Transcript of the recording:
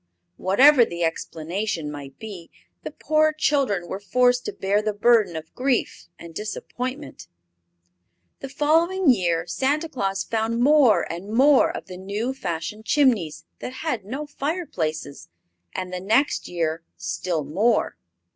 Whatever the explanation might be, the poor children were forced to bear the burden of grief and disappointment. The following year Santa Claus found more and more of the new fashioned chimneys that had no fireplaces, and the next year still more.